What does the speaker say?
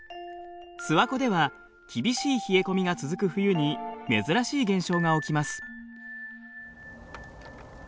諏訪湖では厳しい冷え込みが続く冬に珍しい現象が起きます。